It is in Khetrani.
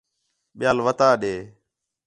ٻِیال وَتا ݙے